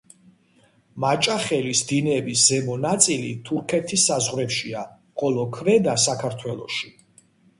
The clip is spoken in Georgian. მაჭახელის დინების ზემო ნაწილი თურქეთის საზღვრებშია, ხოლო ქვედა საქართველოში.